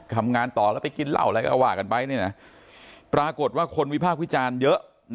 ทำงานต่อแล้วไปกินเหล้าอะไรก็ว่ากันไปปรากฏว่าคนวิพากษ์วิจารณ์เยอะ